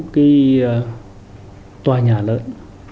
cái tòa nhà lớn